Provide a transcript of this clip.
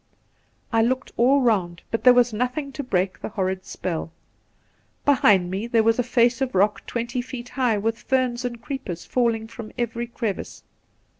I looked all round, but there was nothing to break the horrid spell. Behind me there was a face of rock twenty feet high with ferns and creepers falling from every crevice.